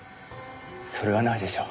それはないでしょ。